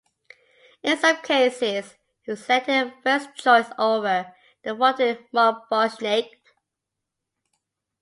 In some cases, he was selected as first-choice over the faltering Mark Bosnich.